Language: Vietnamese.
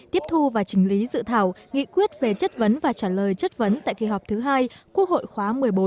tiếp thu và trình lý dự thảo nghị quyết về chất vấn và trả lời chất vấn tại kỳ họp thứ hai quốc hội khóa một mươi bốn